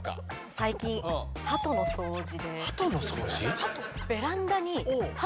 最近ハトの掃除？